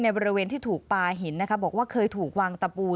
บริเวณที่ถูกปลาหินนะคะบอกว่าเคยถูกวางตะปู